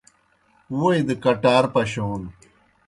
ووئی دہ کٹار پشون